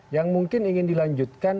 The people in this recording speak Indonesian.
yang mungkin ingin dilanjutkan